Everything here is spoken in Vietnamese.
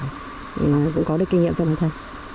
chúng tôi cũng có được kinh nghiệm trong đó thôi